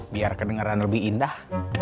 biar kedengaran lebih indah